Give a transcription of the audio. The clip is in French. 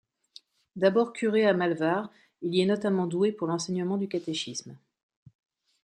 D'abord curé à Malvar, il y est notamment doué pour l'enseignement du catéchisme.